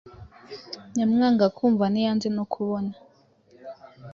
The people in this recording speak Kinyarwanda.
Nyamwanga kumva ntiyanze no kubona”.